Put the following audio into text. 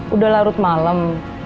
udah larut malem